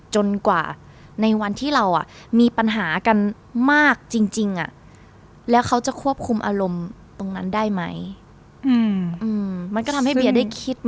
จนกว่าในวันที่เรามีปัญหากันมากจริงแล้วเขาจะควบคุมอารมณ์ตรงนั้นได้ไหม